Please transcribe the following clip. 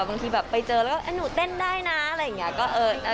บางทีแบบไปเจอแล้วหนูเต้นได้นะอะไรอย่างนี้